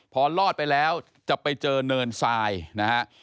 พอลอดไปแล้วจะไปเจอเนินทรายนะฮะ